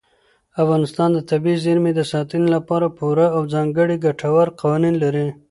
افغانستان د طبیعي زیرمې د ساتنې لپاره پوره او ځانګړي ګټور قوانین لري.